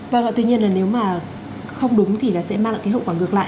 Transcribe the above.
và tuy nhiên nếu mà không đúng thì sẽ mang lại hậu quả ngược lại